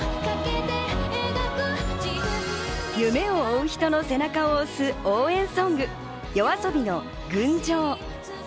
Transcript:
夢を追う人の背中を押す応援ソング、ＹＯＡＳＯＢＩの『群青』。